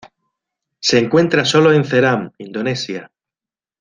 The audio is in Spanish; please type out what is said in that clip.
Se encuentra sólo en Ceram, Indonesia.